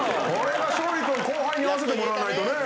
勝利君後輩に合わせてもらわないとね。